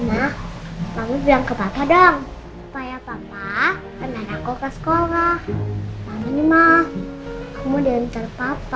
aku tau masa gak bisa dipaksa saat ini